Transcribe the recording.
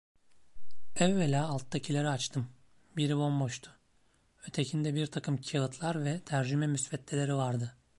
Evvela alttakileri açtım; biri bomboştu, ötekinde birtakım kâğıtlar ve tercüme müsveddeleri vardı.